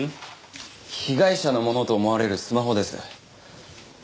被害者のものと思われるスマホです。